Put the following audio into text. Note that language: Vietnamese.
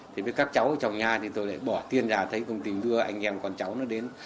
thế với các cháu trong nhà thì tôi lại bỏ tiền ra thấy công ty đưa anh em con cháu nó đến